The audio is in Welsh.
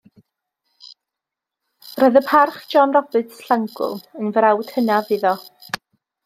Roedd y Parch John Roberts, Llangwm, yn frawd hynaf iddo.